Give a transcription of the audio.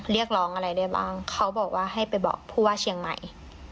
เรียกร้องอะไรได้บ้างเขาบอกว่าให้ไปบอกผู้ว่าเชียงใหม่